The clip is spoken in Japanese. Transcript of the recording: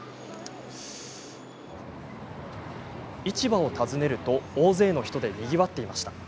市場を訪ねると大勢の人でにぎわっていました。